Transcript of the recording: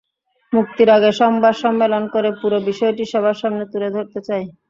মুক্তির আগে সাংবাদ সম্মেলন করে পুরো বিষয়টি সবার সামনে তুলে ধরতে চাই।